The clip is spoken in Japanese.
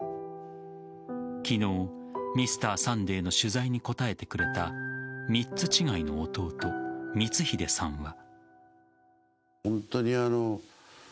昨日「Ｍｒ．サンデー」の取材に答えてくれた３つ違いの弟・光英さんは。